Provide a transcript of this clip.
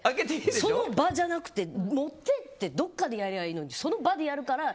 その場じゃなくて持っていってやればいいのにその場でやるから。